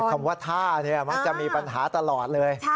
คำว่าท่าเนี่ยมักจะมีปัญหาตลอดเลย